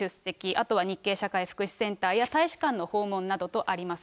あとは日系社会福祉センターや大使館の訪問などとあります。